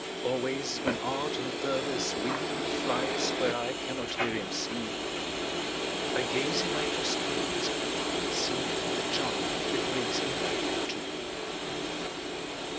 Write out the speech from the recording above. Always, when Art on perverse wing Flies where I cannot hear him sing, I gaze in my two springs and see A charm that brings him back to me.